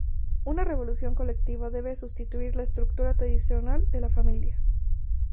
Una revolución colectiva debe sustituir la estructura tradicional de la familia.